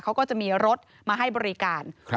เขาก็จะมีรถมาให้บริการ